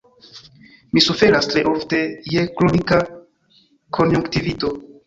Mi suferas tre ofte je kronika konjunktivito.